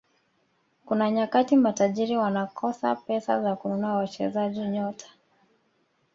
kuna nyakati matajiri wanakosa pesa za kununua wachezaji nyota